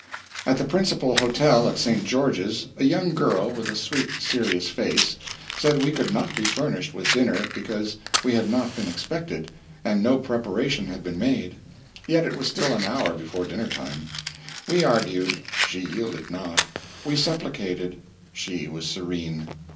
At the principal hotel at St. George's, a young girl, with a sweet, serious face, said we could not be furnished with dinner, because we had not been expected, and no preparation had been made. Yet it was still an hour before dinner time. We argued, she yielded not; we supplicated, she was serene.